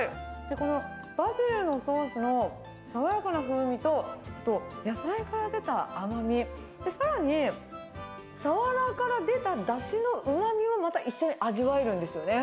このバジルのソースの爽やかな風味と、あと、野菜から出た甘み、さらにサワラから出ただしのうまみもまた一緒に味わえるんですよね。